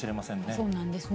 そうなんですね。